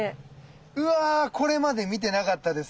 うわこれまで見てなかったです。